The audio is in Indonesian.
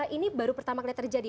ini baru pertama kali terjadi